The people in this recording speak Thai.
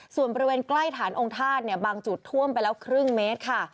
ส่วนบริเวณใกล้ฐานองค์ธาตุเนี่ยบางจุดท่วมไปแล้วครึ่งเมตรค่ะ